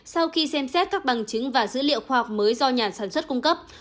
sau khi xem xét các bằng chứng và dữ liệu khoa học mới do nhà sản xuất cung cấp